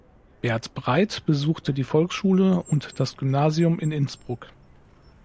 Bert Breit besuchte die Volksschule und das Gymnasium in Innsbruck.